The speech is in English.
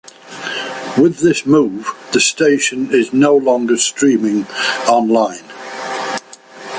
With this move, the station is no longer streaming online.